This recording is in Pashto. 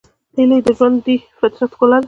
هیلۍ د ژوندي فطرت ښکلا ده